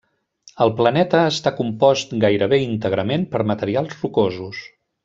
El planeta està compost gairebé íntegrament per materials rocosos.